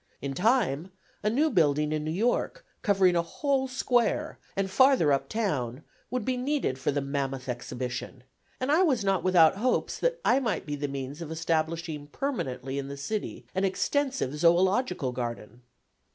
In time, a new building in New York, covering a whole square, and farther up town, would be needed for the mammoth exhibition, and I was not with out hopes that I might be the means of establishing permanently in the city an extensive zoölogical garden.